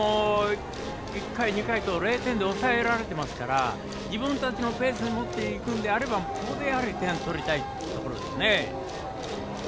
１回、２回と０点に抑えられていますから自分たちのペースにもっていくのであればここで点を取りたいところですね。